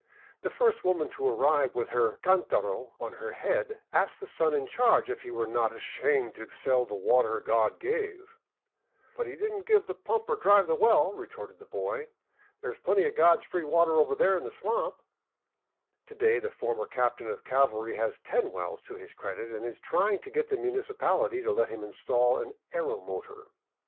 The first woman to arrive with her cdntaro on her head asked the son in charge if he were not " ashamed to sell the water God gave/' " But he did n't give the pump or drive the well," retorted the boy ;" There is plenty of God's free water over there in the swamp," To day the former captain of cavalry has ten wells to his credit and is trying to get the municipality to let him install an " aeromotor."